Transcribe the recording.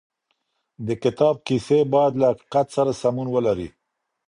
د کتاب کيسې بايد له حقيقت سره سمون ولري.